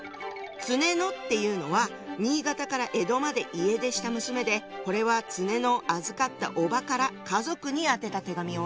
常野っていうのは新潟から江戸まで家出した娘でこれは常野を預かったおばから家族に宛てた手紙よ。